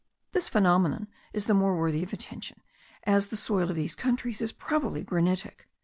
This phenomenon is the more worthy of attention as the soil of these countries is probably granitic.